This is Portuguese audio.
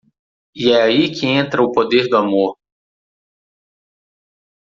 E é aí que entra o poder do amor.